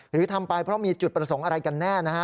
หรือทำไปเพราะมีจุดประสงค์อะไรกันแน่นะฮะ